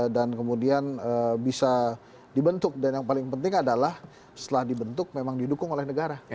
dan kemudian bisa dibentuk dan yang paling penting adalah setelah dibentuk memang didukung oleh negara